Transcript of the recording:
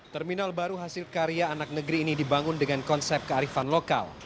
terminal baru hasil karya anak negeri ini dibangun dengan konsep kearifan lokal